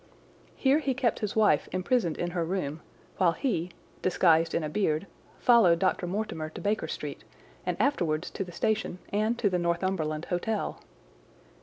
Here he kept his wife imprisoned in her room while he, disguised in a beard, followed Dr. Mortimer to Baker Street and afterwards to the station and to the Northumberland Hotel.